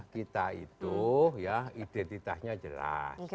kita itu ya identitasnya jelas